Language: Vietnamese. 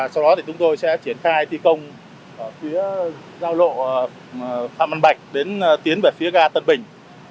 sau đó thì chúng tôi sẽ triển khai thi công ở phía giao lộ phạm văn bạch đến tiến về phía ga tân bình